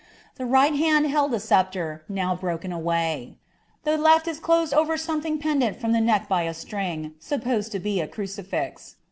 The riffht hand held a sceptre, now away ; the left is closed over someming pendent from the neck ring, supposed to be a crucifix.